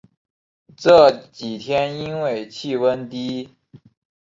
这几天因为气温低